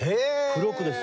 付録です。